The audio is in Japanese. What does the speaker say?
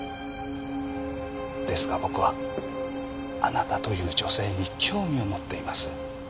ですが僕はあなたという女性に興味を持っています。